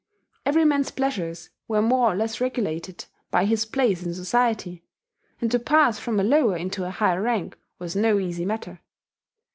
Every man's pleasures were more or less regulated by his place in society, and to pass from a lower into a higher rank was no easy matter.